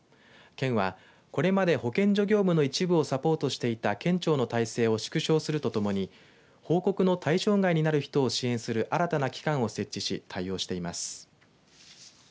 県は、これまで保健所業務の一部をサポートしていた県庁の体制を縮小するとともに報告の対象外になる人を支援する新たな機関を設置し対応しています。